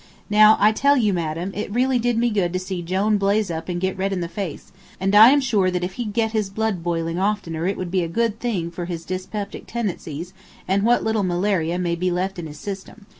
Now, I tell you, madam, it really did me good to see Jone blaze up and get red in the face, and I am sure that if he'd get his blood boiling oftener it would be a good thing for his dyspeptic tendencies and what little malaria may be left in his system.